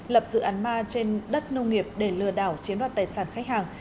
lập dự án ma trên đất nông nghiệp để lừa đảo chiếm đoạt tài sản khách hàng